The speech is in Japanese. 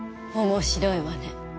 面白いわね。